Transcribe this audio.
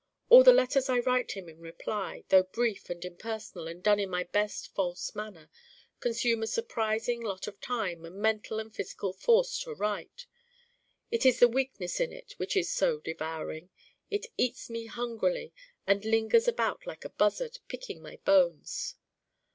And the letters I write him in reply, though brief and impersonal and done in my best false manner, consume a surprising lot of time and mental and physical force to write. It is the Weakness in it which is so devouring: it eats me hungrily and lingers about like a buzzard, picking my bones.